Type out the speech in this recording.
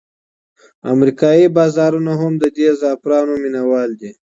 امریکایي بازارونه هم د دې زعفرانو مینوال دي.